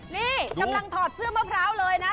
นี่กำลังถอดเสื้อมะพร้าวเลยนะ